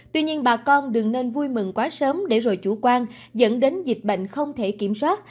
tuy nhiên bà con đừng nên vui mừng quá sớm để rồi chủ quan dẫn đến dịch bệnh không thể kiểm soát